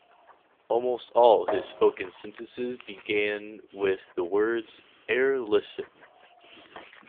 Almost all his spoken sentences begin with the words "'ere listen".